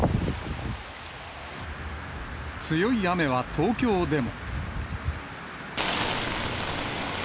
強い雨は東京でも。